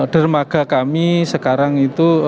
dermaga kami sekarang itu